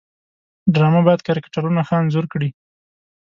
ډرامه باید کرکټرونه ښه انځور کړي